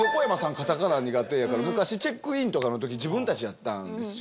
カタカナ苦手やから昔チェックインとかのとき自分たちでやったんですよ。